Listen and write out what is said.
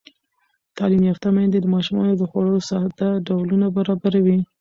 تعلیم یافته میندې د ماشومانو د خوړو ساده ډولونه برابروي.